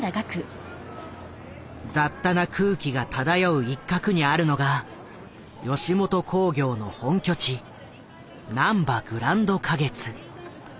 雑多な空気が漂う一角にあるのが吉本興業の本拠地「なんばグランド花月」。